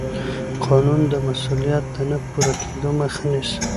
قانون د مسوولیت د نه پوره کېدو مخه نیسي.